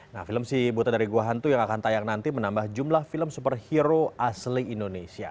nah film si buta dari gua hantu yang akan tayang nanti menambah jumlah film superhero asli indonesia